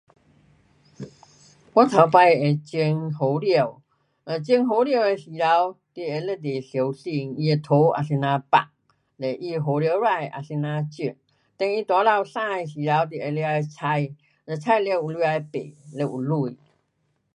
我头次是种胡椒，嘞种胡椒的时头你会非常小心，它的土啊怎么放，嘞它的胡椒仔啊怎么种，等它大棵生的时头，你有能力採，嘞採了有能力卖，嘞有钱。